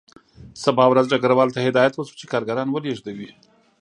سبا ورځ ډګروال ته هدایت وشو چې کارګران ولېږدوي